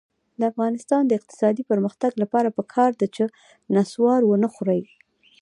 د افغانستان د اقتصادي پرمختګ لپاره پکار ده چې نصوار ونه خورئ.